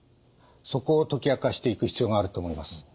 そこを解き明かしていく必要があると思います。